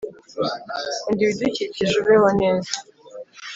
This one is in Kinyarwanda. kunda ibidukikije, ubeho neza